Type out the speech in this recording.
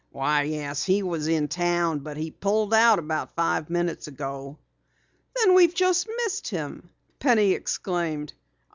"Why, yes, he was in town, but he pulled out about five minutes ago." "Then we've just missed him!" Penny exclaimed.